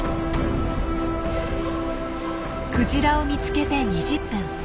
クジラを見つけて２０分。